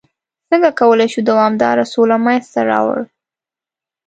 څرنګه کولای شو دوامداره سوله منځته راوړ؟